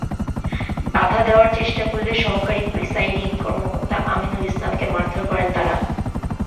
বাধা দেওয়ার চেষ্টা করলে সহকারী প্রিসাইডিং কর্মকর্তা আমিনুল ইসলামকে মারধর করেন তাঁরা।